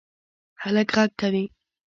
هلک غږ کوی